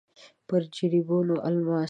په جريبونو الماس.